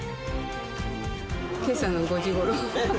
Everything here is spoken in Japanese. けさの５時ごろ。